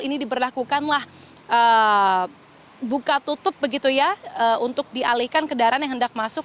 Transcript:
ini diberlakukanlah buka tutup begitu ya untuk dialihkan kendaraan yang hendak masuk